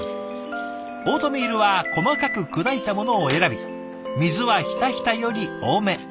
オートミールは細かく砕いたものを選び水はひたひたより多め。